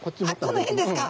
あこの辺ですか。